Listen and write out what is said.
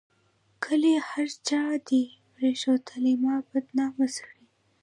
کلي هر چا دې پريښودلي ما بدنامه سره